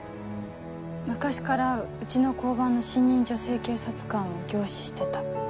昔からうちの交番の新任女性警察官を凝視してた。